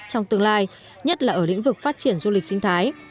trong tương lai nhất là ở lĩnh vực phát triển du lịch sinh thái